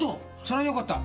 そりゃよかった。